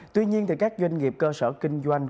tuy nhiên các doanh nghiệp cơ sở kinh doanh